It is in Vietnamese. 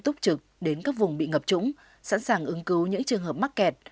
túc trực đến các vùng bị ngập trũng sẵn sàng ứng cứu những trường hợp mắc kẹt